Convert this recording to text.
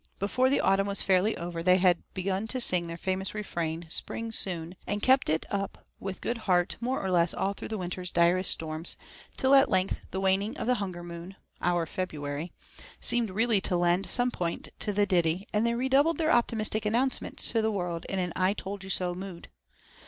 Before the autumn was fairly over they had begun to sing their famous refrain, 'Spring Soon,' and kept it up with good heart more or less all through the winter's direst storms, till at length the waning of the Hunger Moon, our February, seemed really to lend some point to the ditty, and they redoubled their optimistic announcement to the world in an 'I told you so' mood.